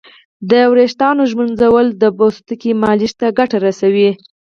د ویښتانو ږمنځول د پوستکي مالش ته ګټه رسوي.